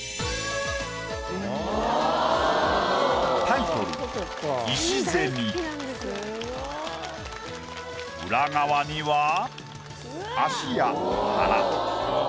タイトル裏側には足や腹。